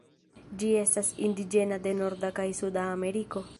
Ĝi estas indiĝena de Norda kaj Suda Ameriko.